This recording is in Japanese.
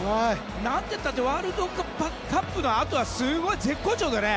何て言ったってワールドカップのあとはすごい、絶好調でね。